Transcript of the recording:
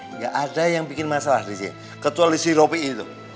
eh gak ada yang bikin masalah di sini kecuali si robby itu